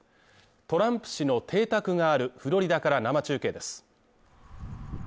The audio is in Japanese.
トランプ氏の邸宅があるフロリダから生中継です。